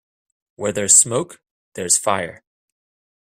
Where there's smoke there's fire.